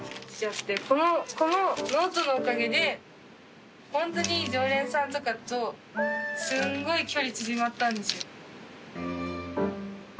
このノートのおかげでホントに常連さんとかとすごい距離縮まったんですよ。